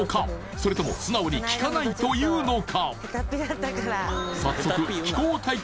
それとも素直に効かないというのか？